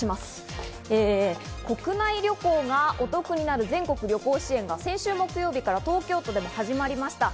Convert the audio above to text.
国内旅行がお得になる全国旅行支援が先週木曜日から東京都でも始まりました。